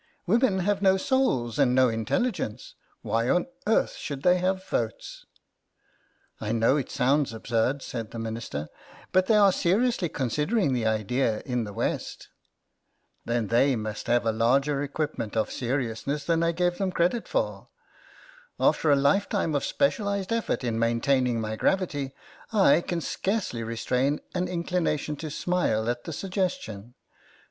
Women have no souls and no intelligence; why on earth should they have votes ?"" I know it sounds absurd," said the Minister, " but they are seriously considering the idea in the West." " Then they must have a larger equipment of seriousness than I gave them credit for. After a lifetime of specialised effort in main taining my gravity I can scarcely restrain an inclination to smile at the suggestion.